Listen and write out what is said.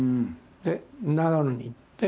で長野に行って。